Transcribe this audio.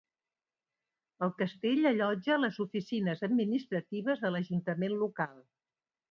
El castell allotja les oficines administratives de l'ajuntament local.